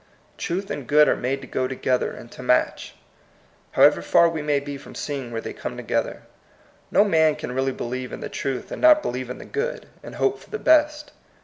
Truth and good are made to go together and to match, how ever far we may be from seeing where they come together. No man can really believe in the truth, and not believe in the good, and hope for the best.